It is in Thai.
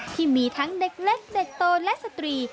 ที่มีทั้งเด็กเล็กเด็กโตและสตรี